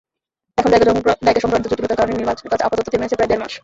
এখন জায়গাসংক্রান্ত জটিলতার কারণে নির্মাণকাজ আপাতত থেমে আছে প্রায় দেড় মাস।